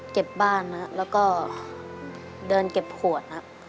เก็บบ้านแล้วก็เดินเก็บขวดครับ